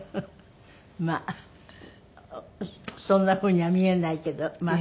まあそんなふうには見えないけどまあ